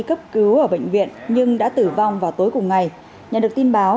cấp cứu ở bệnh viện nhưng đã tử vong vào tối cùng ngày nhận được tin báo